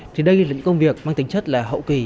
thì đây là những công việc mang tính chất là hậu kỳ